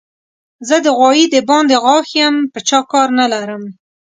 زه د غوايي د باندې غاښ يم؛ په چا کار نه لرم.